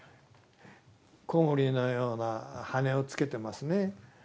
コウモリのような羽をつけてますね。